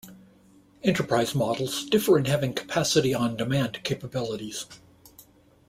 Enterprise models differ in having Capacity on Demand capabilities.